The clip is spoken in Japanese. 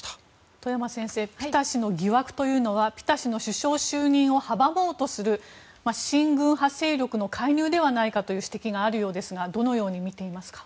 外山先生ピタ氏の疑惑というのはピタ氏の首相就任を阻もうとする親軍派勢力の介入ではないかという指摘があるようですがどのように見ていますか？